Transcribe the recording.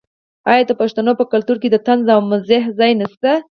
آیا د پښتنو په کلتور کې د طنز او مزاح ځای نشته؟